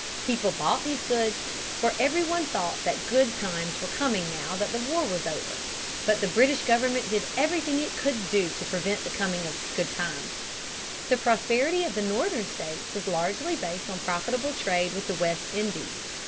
People bought these goods, for every one thought that good times were coming now that the war was over. But the British government did everything it could do to prevent the coming of good times. The prosperity of the northern states was largely based on a profitable trade with the West Indies.